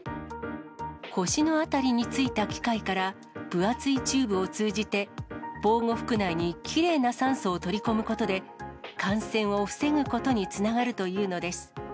腰の辺りについた機械から、分厚いチューブを通じて、防護服内にきれいな酸素を取り込むことで、感染を防ぐことにつながるというのです。